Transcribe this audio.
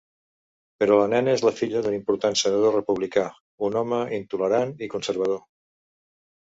Però la nena és la filla d'un important Senador republicà, un home intolerant i conservador.